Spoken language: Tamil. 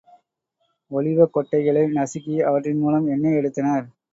ஒலிவக் கொட்டைகளை நசுக்கி அவற்றின் மூலம் எண்ணெய் எடுத்தனர்.